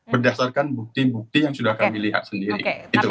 berdasarkan bukti bukti yang sudah kami lihat sendiri